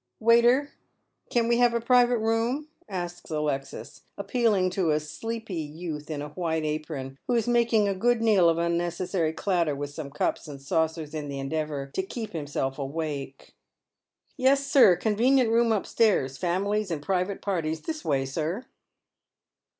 Waiter, can wo have a S6* t)ead Men's Shoes. private room P " asks Alexis, appealing to a sleepy youth in a white apron, who is making a good deal of unnecessary clatter with Bome cups and saucers in the endeavour to keep hirnselt: awake. " Yes, sir, convenient room upstairs, families and private parties. This way, sir."